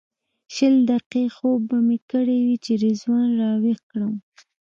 شل دقیقې خوب به مې کړی وي چې رضوان راویښ کړم.